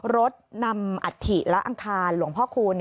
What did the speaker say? รถนำอัฐิและอังคารหลวงพ่อคูณ